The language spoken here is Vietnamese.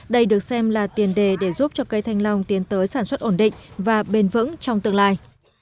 đây được xem là tiền đề để giúp cho cây thanh long tiến tới sản xuất ổn định và bền vững trong tương lai